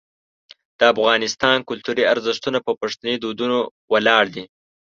د افغانستان کلتوري ارزښتونه په پښتني دودونو ولاړ دي.